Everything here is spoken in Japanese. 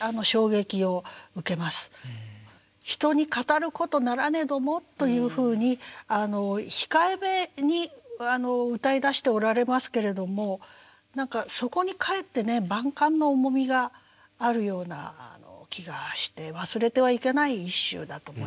「人に語ることならねども」というふうに控えめに歌いだしておられますけれども何かそこにかえってね万感の重みがあるような気がして忘れてはいけない一首だと思います。